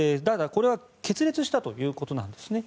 決裂したということなんですね。